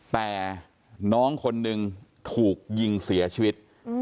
แต่น้องคนนึงถูกยิงเสียชีวิต